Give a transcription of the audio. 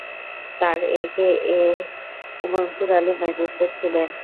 তার A K M Mansur Ali magistrate ছিলেন।